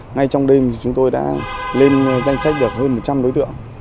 ngay trong đêm chúng tôi đã lên danh sách được hơn một trăm linh đối tượng